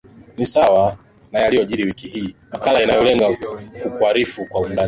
ni wasaa wa yaliyojiri wiki hii makala inayolenga kukuarifu kwa undani